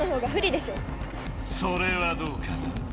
それはどうかな？